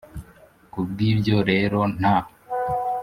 Ku bw ibyo rero nta